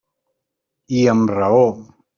I amb raó.